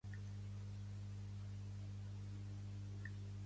El pintat de les noves illetes dels encreuament es farà de nit.